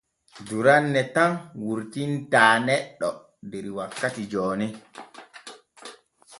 Duranne tan wurtinta neɗɗo der wakkati jooni.